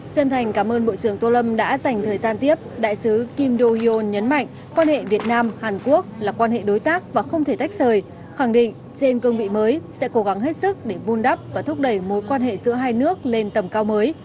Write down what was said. chân thành cảm ơn bộ trưởng tô lâm đã dành thời gian tiếp đại sứ kim do hyo nhấn mạnh quan hệ việt nam hàn quốc là quan hệ đối tác và không thể tách rời khẳng định trên cương vị mới sẽ cố gắng hết sức để vun đắp và thúc đẩy mối quan hệ giữa hai nước lên tầm cao mới